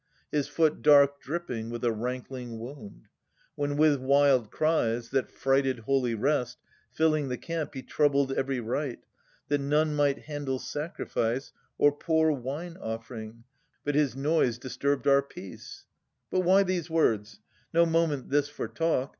His foot dark dripping with a rankling wound ; When with wild cries, that frighted holy rest, Filling the camp, he troubled every rite, That none might handle sacrifice, or pour Wine ofFering, but his noise disturbed our peace. But why these words? No moment this for talk.